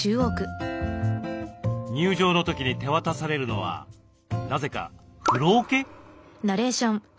入場の時に手渡されるのはなぜか風呂おけ？